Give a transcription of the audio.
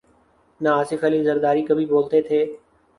نہ آصف علی زرداری کبھی بولتے تھے۔